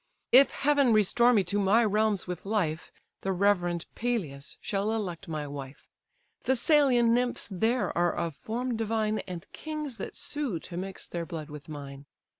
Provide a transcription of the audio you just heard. If heaven restore me to my realms with life, The reverend Peleus shall elect my wife; Thessalian nymphs there are of form divine, And kings that sue to mix their blood with mine.